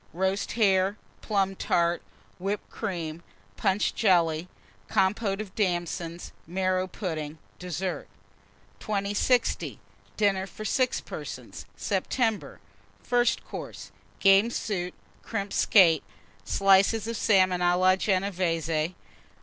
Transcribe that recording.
Roast Hare. Plum Tart. Whipped Cream. Punch Jelly. Compôte of Damsons. Marrow Pudding. DESSERT. 2060. DINNER FOR 6 PERSONS (September). FIRST COURSE. Game Soup. Crimped Skate. Slices of Salmon a la Genévése.